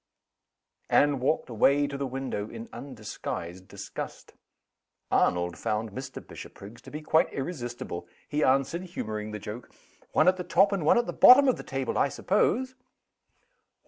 Anne walked away to the window, in undisguised disgust. Arnold found Mr. Bishopriggs to be quite irresistible. He answered, humoring the joke, "One at the top and one at the bottom of the table, I suppose?"